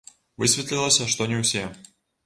Высветлілася, што не ўсе.